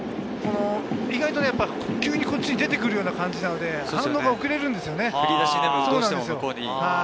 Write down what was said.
意外と急にこっちに出てくるような感じなので、反応が遅れるんですよね。